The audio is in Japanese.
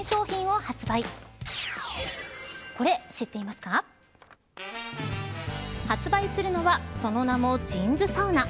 発売するのは、その名もＪＩＮＳＳＡＵＮＡ。